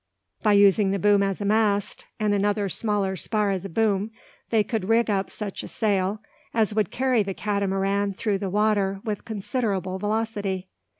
By using the boom as a mast, and another smaller spar as a boom, they could rig up such a sail as would carry the Catamaran through the water with considerable velocity.